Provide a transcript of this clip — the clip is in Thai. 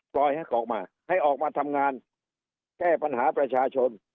ปล่อยให้ออกมาให้ออกมาทำงานแก้ปัญหาประชาชน